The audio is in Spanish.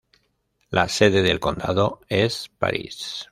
La sede del condado es París.